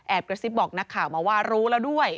กระซิบบอกนักข่าวมาว่ารู้แล้วด้วย